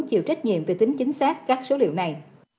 chịu trách nhiệm về tính chính xác các số liệu này